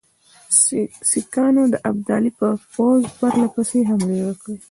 سیکهانو د ابدالي پر پوځ پرله پسې حملې وکړې.